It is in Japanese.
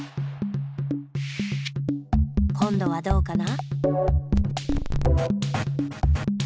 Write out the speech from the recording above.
こんどはどうかな？